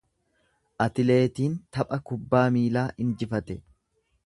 Atleetiin tapha kubbaa miilaa injifate.